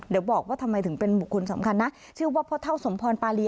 เดี๋ยวบอกว่าทำไมถึงเป็นบุคคลสำคัญนะชื่อว่าพ่อเท่าสมพรปารี